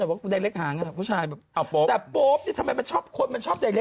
ไปไดร็กหาอยากเขาแฉ้หร้อ